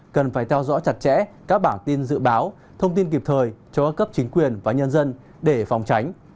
cần phải theo dõi chặt chẽ các bản tin dự báo thông tin kịp thời cho các cấp chính quyền và nhân dân để phòng tránh